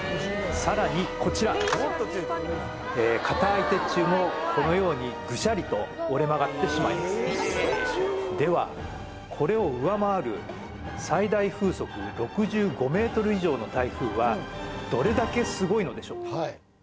さらにこちら硬い鉄柱もこのようにグシャリと折れ曲がってしまいますではこれを上回る最大風速６５ｍ／ｓ以上の台風はどれだけすごいのでしょう？